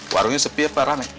warungnya sepi apa rame